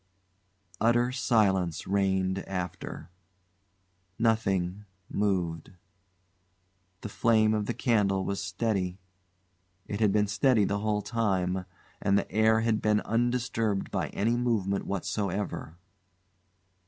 Utter silence reigned after. Nothing moved. The flame of the candle was steady. It had been steady the whole time, and the air had been undisturbed by any movement whatsoever.